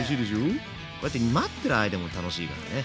こうやって待ってる間も楽しいからね。